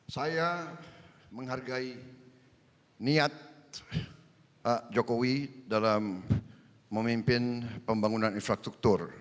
saya menghargai niat pak jokowi dalam memimpin pembangunan infrastruktur